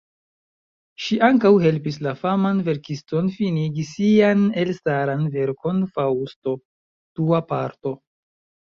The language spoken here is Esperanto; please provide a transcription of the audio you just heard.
Ŝi ankaŭ helpis la faman verkiston finigi sian elstaran verkon Faŭsto (Dua Parto).